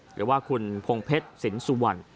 หรือว่าคุณพงเพชรสินสุวรรณ